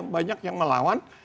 banyak yang melawan